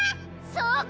そうか。